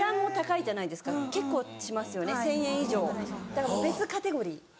だからもう別カテゴリー。